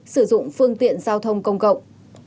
sử dụng phương tiện giao thông công cộng